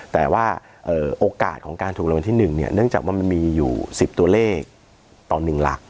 แต่ว่าโอกาสของการถูกรางวัลที่๑เนื่องจากว่ามันมีอยู่๑๐ตัวเลขต่อ๑หลัก